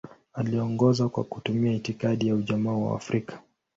Aliongoza kwa kutumia itikadi ya Ujamaa wa Afrika.